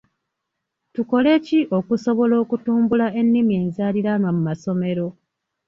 Tukole ki okusobola okutumbula ennimi enzaaliranwa mu masomero?